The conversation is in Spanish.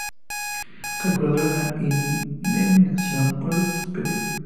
Calculadora de indemnización por despido